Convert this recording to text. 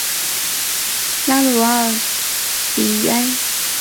拉鲁奥迪埃。